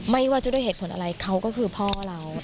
ไม่ว่าจะด้วยเหตุผลอะไรเขาก็คือพ่อเรา